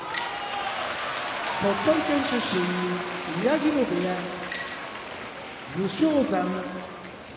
鳥取県出身宮城野部屋武将山